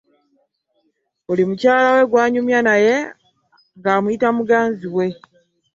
Buli mukyala we gw’anyumya naye ng’amuyita muganzi we.